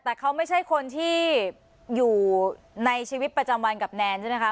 แต่เขาไม่ใช่คนที่อยู่ในชีวิตประจำวันกับแนนใช่ไหมคะ